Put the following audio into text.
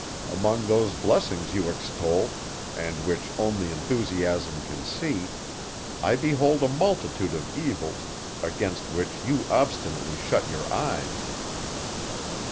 Among those blessings you extol, and which only enthusiasm can see, I behold a multitude of evils, against which you obstinately shut your eyes.